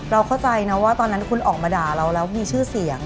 เข้าใจนะว่าตอนนั้นคุณออกมาด่าเราแล้วมีชื่อเสียง